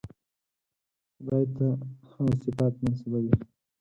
خدای ته هغه صفات منسوبوي.